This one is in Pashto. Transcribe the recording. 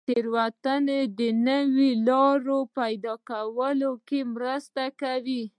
تېروتنې د نویو لارو په پیدا کولو کې مرسته کوي.